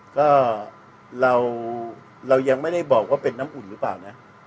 ก็เรายังไม่ได้บอกว่าเป็นน้ำอุ่นหรือเปล่านะ